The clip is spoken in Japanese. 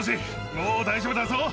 もう大丈夫だぞ。